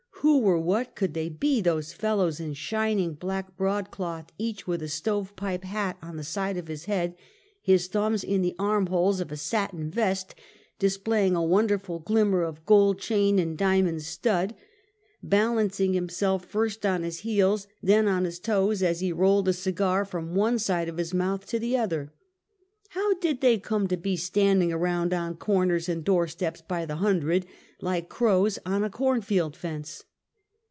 Who or what could they be, those fellows in shining black broadcloth, each with a stove pipe hat on the side of his head, his thumbs in the arraholes of a satin vest, displaying a wonderful glimmer of gold chain and diamond stud, balancing himself first on his heels and then on his toes, as he rolled a cigar from one side of his mouth to the other? Plow did they come to be standing around on corners and doorsteps by the hundred, like crows on a cornfield fence?